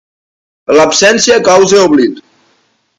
L'absència causa oblit.